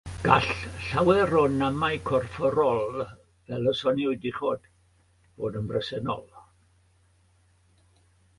Gall lawer o namau corfforol, fel y soniwyd uchod, fod yn bresennol.